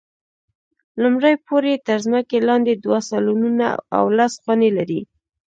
لومړی پوړ یې تر ځمکې لاندې دوه سالونونه او لس خونې لري.